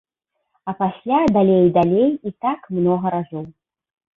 А пасля далей і далей, і так многа разоў.